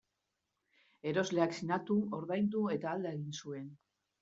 Erosleak sinatu, ordaindu eta alde egin zuen.